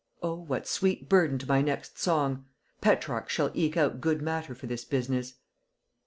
O! what sweet burden to my next song. Petrarch shall eke out good matter for this business."